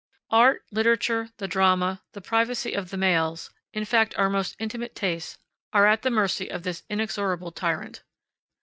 Art, literature, the drama, the privacy of the mails, in fact, our most intimate tastes, are at the mercy of this inexorable tyrant.